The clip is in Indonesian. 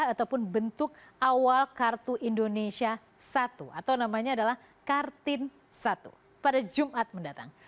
ataupun bentuk awal kartu indonesia satu atau namanya adalah kartin satu pada jumat mendatang